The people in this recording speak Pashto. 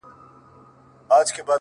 • بيزو وان ويل بيزو ته په خندا سه,